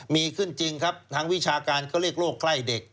มีขึ้นจริงครับทางวิชาการเขาเรียกโรคใกล้เด็ก